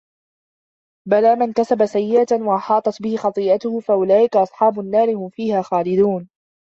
بَلَىٰ مَنْ كَسَبَ سَيِّئَةً وَأَحَاطَتْ بِهِ خَطِيئَتُهُ فَأُولَٰئِكَ أَصْحَابُ النَّارِ ۖ هُمْ فِيهَا خَالِدُونَ